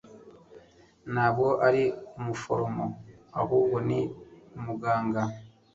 Ntabwo ari umuforomo ahubwo ni umuganga